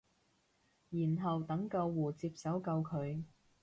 然後等救護接手救佢